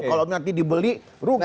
kalau nanti dibeli rugi